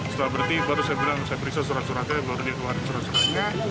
setelah berhenti baru saya beriksa surat suratnya baru dia keluar surat suratnya